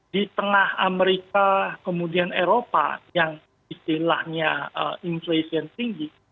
di tengah amerika kemudian eropa yang istilahnya inflation tinggi